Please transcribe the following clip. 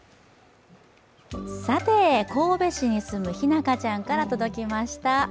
さて、神戸市に住むひなかちゃんから届きました。